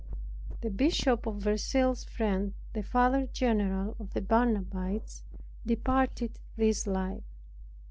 The Bishop of Verceil's friend, the Father general of the Barnabites, departed this life.